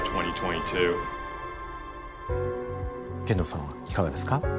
池野さんはいかがですか。